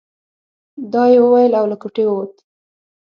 دا يې وويل او له کوټې ووت.